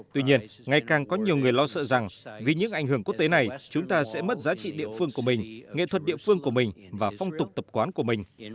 tuy nhiên ngày càng có nhiều người lo sợ rằng vì những ảnh hưởng quốc tế này chúng ta sẽ mất giá trị địa phương của mình nghệ thuật địa phương của mình và phong tục tập quán của mình